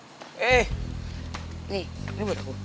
nih ini buat aku